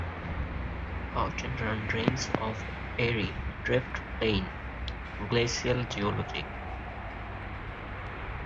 Horton Run drains of Erie Drift Plain (glacial geology).